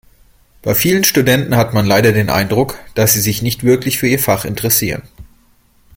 Bei vielen Studenten hat man leider den Eindruck, dass sie sich nicht wirklich für ihr Fach interessieren.